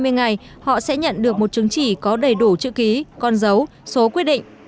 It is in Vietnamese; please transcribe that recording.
hai mươi ngày họ sẽ nhận được một chứng chỉ có đầy đủ chữ ký con dấu số quyết định